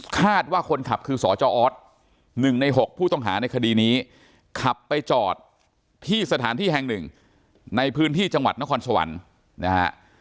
คาดว่าคนขับคือสจออส๑ใน๖ผู้ต้องหาในคดีนี้ขับไปจอดที่สถานที่แห่งหนึ่งในพื้นที่จังหวัดนครสวรรค์นะฮะ